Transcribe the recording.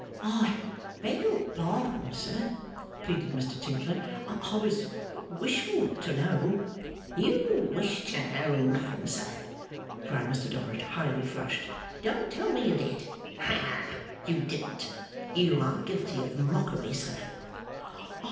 'I beg your pardon, sir,' pleaded Mr Tinkler, 'I was wishful to know ' 'You wished to know nothing, sir,' cried Mr Dorrit, highly flushed. 'Don't tell me you did. Ha. You didn't. You are guilty of mockery, sir.